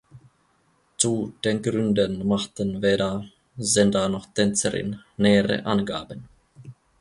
Zu den Gründen machten weder Sender noch Tänzerin nähere Angaben.